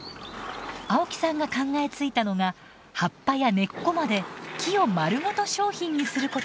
青木さんが考えついたのが葉っぱや根っこまで木をまるごと商品にすることでした。